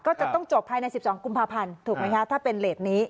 ก็จะต้องจบภายใน๑๒กุมภาพันธ์ถูกไหมคะถ้าเป็นเลสนี้